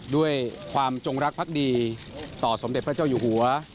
ด้วยความจงรักภักดีต่อสมเด็จพระเจ้าอยู่หัว